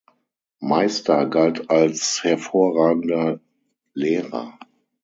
Meister galt als hervorragender Lehrer.